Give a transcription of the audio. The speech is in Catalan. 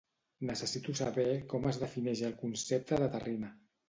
Necessito saber com es defineix el concepte de terrina.